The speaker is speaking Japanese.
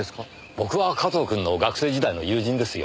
僕は加藤君の学生時代の友人ですよ。